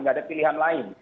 nggak ada pilihan lain